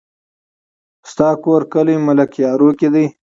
ستا کور کلي ملكيارو کې دی؟